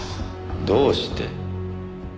どうして？